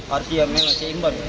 artinya menolaknya imban